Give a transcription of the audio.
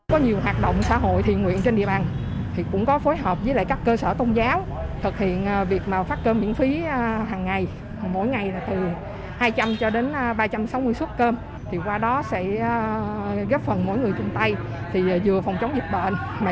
có nhiều hoạt động xã hội thiên nguyện trên địa bàn cũng có phối hợp với các cơ sở tôn giáo thực hiện việc phát cơm miễn phí hằng ngày mỗi ngày từ hai trăm linh cho đến ba trăm sáu mươi xuất cơm